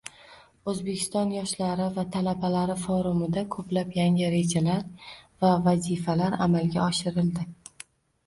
O‘zbekiston yoshlari va talabalari forumida ko‘plab yangi rejalar va vazifalar amalga oshirildi.